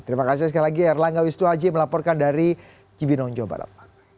terima kasih sekali lagi erlang gawistu haji melaporkan dari jibinon jawa barat